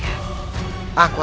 aku harus mencari dia